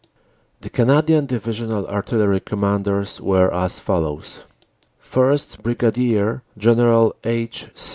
The Canadian Divisional Artillery Commanders were as follows: 1st, Brig. General H.